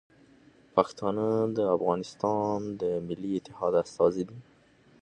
پښتانه د افغانستان د ملي اتحاد استازي دي.